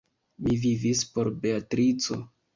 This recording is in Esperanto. Mi vivis por Beatrico.